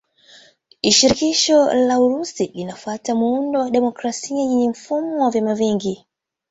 Shirikisho la Urusi linafuata muundo wa demokrasia yenye mfumo wa vyama vingi.